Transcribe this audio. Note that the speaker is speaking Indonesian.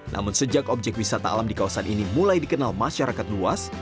namun sejak objek wisata alam di kawasan ini mulai dikenal masyarakat luas